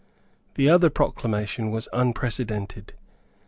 The other proclamation was unprecedented.